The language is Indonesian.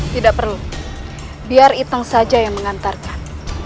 tidak perlu biar iteng saja yang mengantarkan